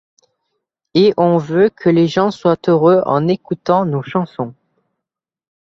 Et on veut que les gens soient heureux en écoutant nos chansons.